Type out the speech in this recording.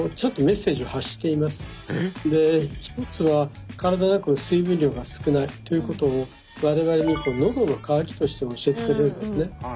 １つは体の中の水分量が少ないということを我々にのどの渇きとして教えてくれるんですね。